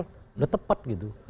sudah tepat gitu